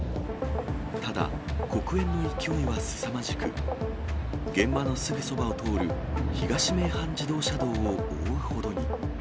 ただ、黒煙の勢いはすさまじく、現場のすぐそばを通る東名阪自動車道を覆うほどに。